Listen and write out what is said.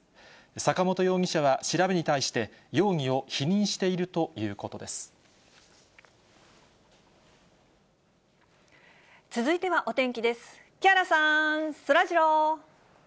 坂本容疑者は調べに対して、容疑を否認しているということで木原さん、そらジロー。